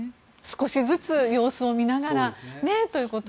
少しずつ様子を見ながらということに。